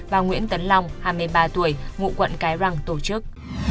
và nguyễn tấn long hai mươi ba tuổi ngụ quận cái răng tổ chức